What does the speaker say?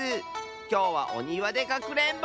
きょうはおにわでかくれんぼ！